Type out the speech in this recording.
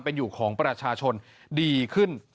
เป็นอยู่ของประชาชนดีขึ้น